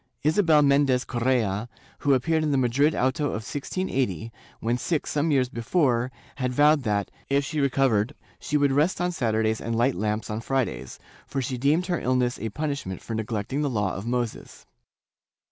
Isabel Mendes Correa, who appeared in the Madrid auto of 1680, when sick some years before, had vowed that, if she recovered, she would rest on Saturdays and light lamps on Fridays, for she deemed her illness a punishment for neglecting the Law of Moses.